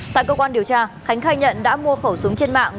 tại cơ quan điều tra khánh khai nhận đã mua khẩu súng trên mạng